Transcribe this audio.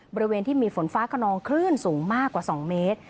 บริเวณที่มีฝนฟ้าขนองคลื่นสูงมากกว่า๒เมตร